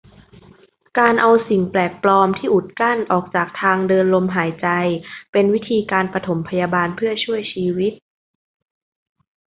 การเอาสิ่งแปลกปลอมที่อุดกั้นออกจากทางเดินลมหายใจเป็นวิธีการปฐมพยาบาลเพื่อช่วยชีวิต